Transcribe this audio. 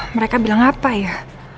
mereka bilang apa ya